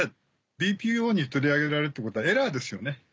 ＢＰＯに取り上げられるってことはエラーですよね。